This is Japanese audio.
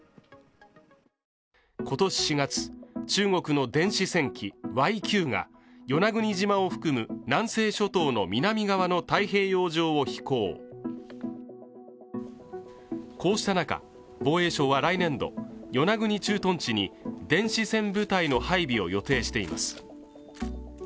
今年４月中国の電子戦機Ｙ−９が与那国島を含む南西諸島の南側の太平洋上を飛行こうした中、防衛省は来年度与那国駐屯地に電子戦部隊の配備を予定しています